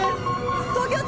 東京都！